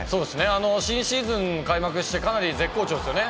新シーズン開幕して、かなり絶好調ですよね。